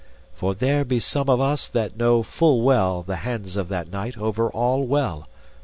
For there be some of us that know full well the hands of that knight over all well.